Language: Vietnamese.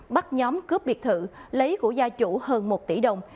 bắt nhóm cướp biệt thự lấy của gia chủ hơn một tỷ đồng